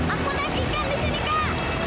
aku naik ikan di sini kak